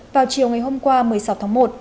vào chiều ngày hôm qua một mươi sáu tháng một